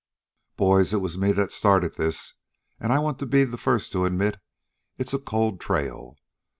"Boys, it was me that started this, and I want to be the first to admit it's a cold trail.